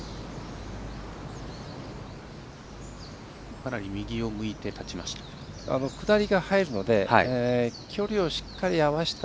かなり右を向いて立ちました。